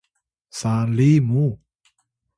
sali muw